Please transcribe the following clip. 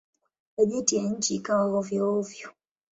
Bajeti ya nchi ikawa hovyo-hovyo.